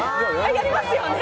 やりますよね？